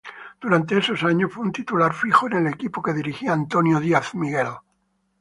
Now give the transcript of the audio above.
Durante esos años fue un titular fijo en el equipo que dirigía Antonio Díaz-Miguel.